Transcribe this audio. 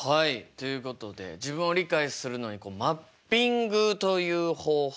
ということで自分を理解するのにマッピングという方法